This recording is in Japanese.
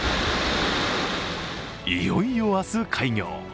いよいよ明日、開業。